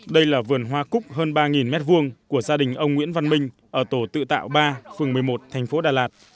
đây là vườn hoa cúc hơn ba m hai của gia đình ông nguyễn văn minh ở tổ tự tạo ba phường một mươi một thành phố đà lạt